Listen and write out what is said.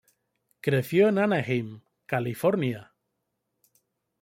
Creció en Anaheim, California.